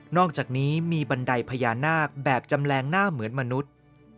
อกจากนี้มีบันไดพญานาคแบบจำแรงหน้าเหมือนมนุษย์